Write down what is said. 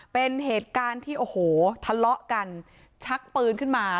เป็นเหตุการณ์ที่โอ้โหทะเลาะกันชักปืนขึ้นมา